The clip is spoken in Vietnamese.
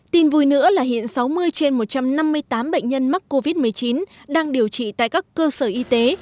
tin vui nữa là hiện sáu mươi trên một trăm năm mươi tám bệnh nhân mắc covid một mươi chín đang điều trị tại các cơ sở y tế